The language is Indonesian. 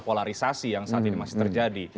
polarisasi yang saat ini masih terjadi